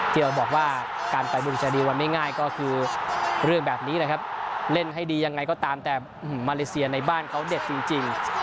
ที่บอกการไปบุญชาดีลวันนี้ไม่ง่ายเล่นให้ดีอย่างไรก็ตามแต่มาเลเซียในบ้านเขาเด็ดจริง